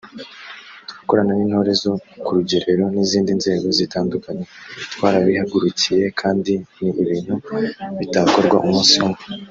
turakorana n’intore zo ku rugerero n’izindi nzego zitandukanye twarabihagurukiye kandi ni ibintu bitakorwa umunsi umwe”